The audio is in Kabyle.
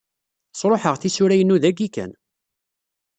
Sṛuḥeɣ tisura-inu dayyi kan.